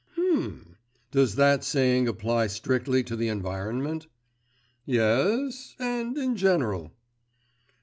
'Hm.... Does that saying apply strictly to the environment?' 'Yes ... and in general.